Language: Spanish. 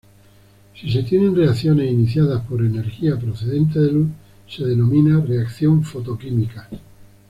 Si se tienen reacciones iniciadas por energía procedente de luz, se denomina reacción fotoquímica.